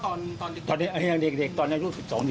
ก็พูดต่อว่าก็ดิเดกตอนนั้น๑๒๑๓ปีตอนนั้น